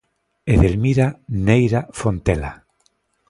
Edelmira Neira Fontela.